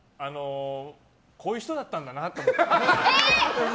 こういう人だったんだなと思って。